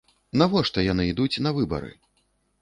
Навошта яны ідуць на выбары?